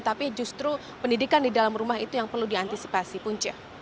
tapi justru pendidikan di dalam rumah itu yang perlu diantisipasi punca